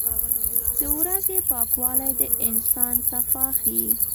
• د ورځې پاکوالی د انسان صفا ښيي.